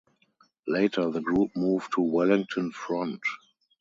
Later, the group moved to Wellington Front.